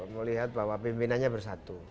melihat bahwa pimpinannya bersatu